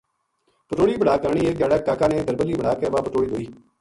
پٹوڑی بنا کے آنی ایک دھیاڑے کا کا نے دربلی بنا کے واہ پٹوڑی دھوئی